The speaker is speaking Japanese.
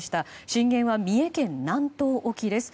震源は三重県南東沖です。